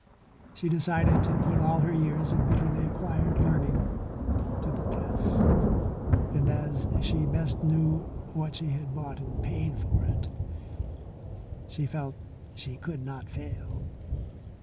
She decided to put all her years of bitterly acquired learning to the test. And as she best knew what she had bought and paid for it she felt she could not fail.